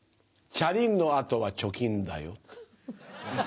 チャリンのあとは貯金だよ。